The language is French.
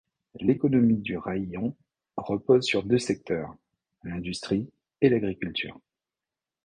L'économie du raïon repose sur deux secteurs: l'industrie et l'agriculture.